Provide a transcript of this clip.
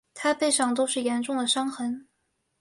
她背上都是严重的伤痕